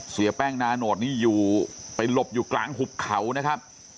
เสียแป้งนาโนตนี่อยู่ไปหลบอยู่กลางหุบเขานะครับ